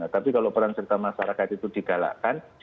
tapi kalau peran serta masyarakat itu digalakkan